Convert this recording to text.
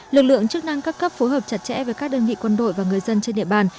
lực lượng chức năng các cấp phối hợp chặt chẽ với các đơn vị quân đội và người dân trên địa bàn